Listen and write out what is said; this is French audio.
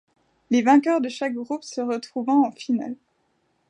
Les vainqueurs de chaque groupe se retrouvant en finale.